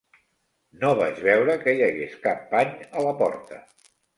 No vaig veure que hi hagués cap pany a la porta.